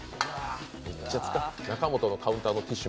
中本のカウンターのティッシュ